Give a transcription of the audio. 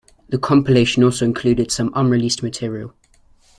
The compilation also included some unreleased material.